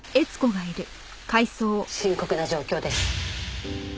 深刻な状況です。